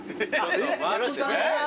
よろしくお願いします！